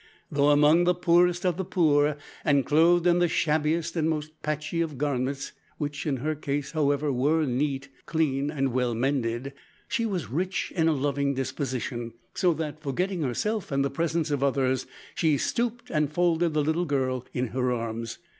Though among the poorest of the poor, and clothed in the shabbiest and most patchy of garments, (which in her case, however, were neat, clean and well mended), she was rich in a loving disposition; so that, forgetting herself and the presence of others, she stooped and folded the little girl in her arms.